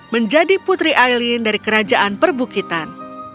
menjadi putri aileen dari kerajaan perbukitan